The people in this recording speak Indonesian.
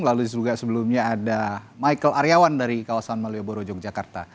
lalu juga sebelumnya ada michael aryawan dari kawasan malioboro yogyakarta